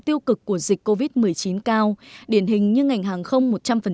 tiêu cực của dịch covid một mươi chín cao điển hình như ngành hàng không một trăm linh